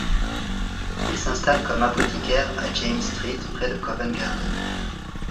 Il s’installe comme apothicaire à James Street près de Covent Garden.